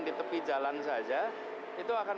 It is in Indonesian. di tepi jalan saja itu akan